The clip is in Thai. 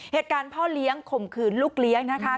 พ่อเลี้ยงข่มขืนลูกเลี้ยงนะคะ